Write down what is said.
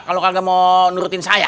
kalau kalian mau nurutin saya